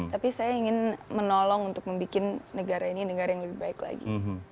tapi saya ingin menolong untuk membuat negara ini negara yang lebih baik lagi